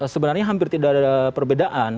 sebenarnya hampir tidak ada perbedaan